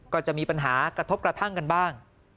ก็จะมีปัญหากระทบกระทั่งกันบ้าง